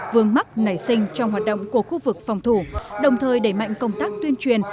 vương mắc nảy sinh trong hoạt động của khu vực phòng thủ đồng thời đẩy mạnh công tác tuyên truyền